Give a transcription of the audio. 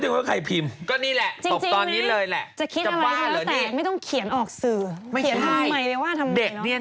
ชิบหายไว้ปวงเลย